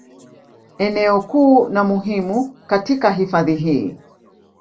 Eneo kuu na muhimu katika hifadhi hii